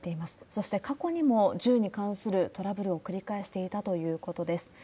そして、過去にも銃に関するトラブルを繰り返していたということです。